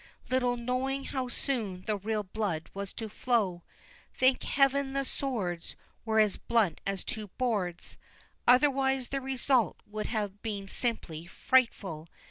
Little knowing how soon the real blood was to flow. Thank Heaven, the swords Were as blunt as two boards! Otherwise the result would have been simply frightful.